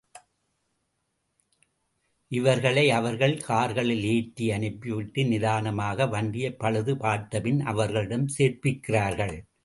இவர்களை அவர்கள் கார்களில் ஏற்றி அனுப்பி விட்டு நிதானமாக வண்டியைப் பழுது பார்த்துப் பின் அவர்களிடம் சேர்ப்பிக்கிறார்கள்.